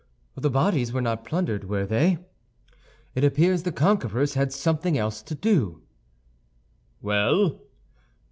"The bodies were not plundered, were they? It appears the conquerors had something else to do." "Well?"